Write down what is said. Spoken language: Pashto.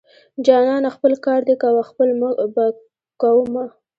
جانانه خپل کار دې کوه خپل به کوومه.